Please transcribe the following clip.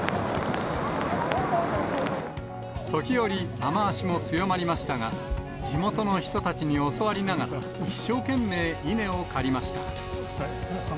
時折、雨足も強まりましたが、地元の人たちに教わりながら、一生懸命、稲を刈りました。